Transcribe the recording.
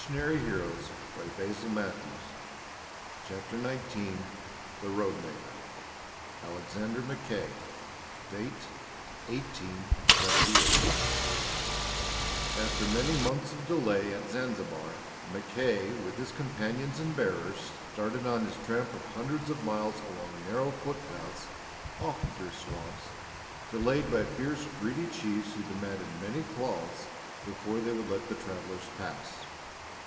] [Footnote 52: May 1, 1873.] CHAPTER XIX THE ROADMAKER Alexander Mackay (Date, 1878) After many months of delay at Zanzibar, Mackay with his companions and bearers started on his tramp of hundreds of miles along narrow footpaths, often through swamps, delayed by fierce greedy chiefs who demanded many cloths before they would let the travellers pass.